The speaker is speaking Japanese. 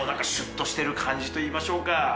シュっとしてる感じといいましょうか。